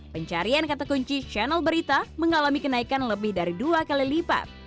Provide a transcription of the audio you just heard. pencarian kata kunci channel berita mengalami kenaikan lebih dari dua kali lipat